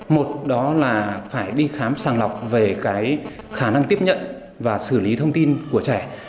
một đó là phải đi khám sàng lọc về cái khả năng tiếp nhận và xử lý thông tin của trẻ